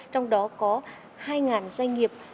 trong đó có hai doanh nghiệp